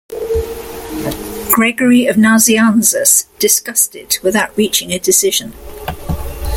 Gregory of Nazianzus discussed it without reaching a decision.